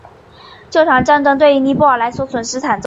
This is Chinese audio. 这场战争对于尼泊尔来说损失惨重。